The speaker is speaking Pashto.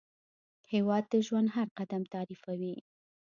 هېواد د ژوند هر قدم تعریفوي.